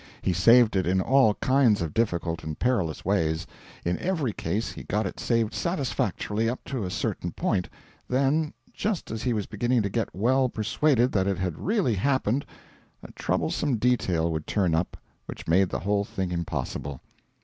He saved it in all kinds of difficult and perilous ways. In every case he got it saved satisfactorily up to a certain point; then, just as he was beginning to get well persuaded that it had really happened, a troublesome detail would turn up which made the whole thing impossible.